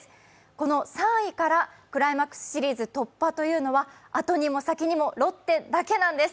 この３位からクライマックスシリーズ突破というのは、後にも先にも、ロッテだけなんです